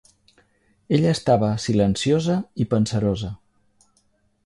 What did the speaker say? Ella estava silenciosa i pensarosa.